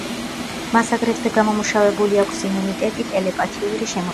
მას აგრეთვე გამომუშავებული აქვს იმუნიტეტი ტელეპათიური შემოტევების მიმართ.